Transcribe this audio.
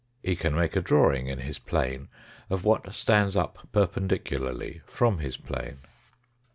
He can make a drawing in his plane of what stands up perpendicularly from his plane.